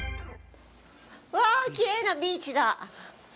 うわあ、きれいなビーチだ。